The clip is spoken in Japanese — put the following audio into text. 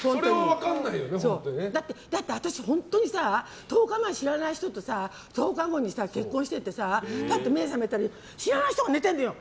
だって私、本当にさ１０日、知らない人と１０日後に結婚してさパッと目が覚めたら知らない人が寝てるのよ。